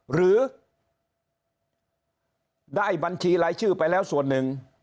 หรือได้บัญชีรายชื่อไปแล้วส่วนหนึ่ง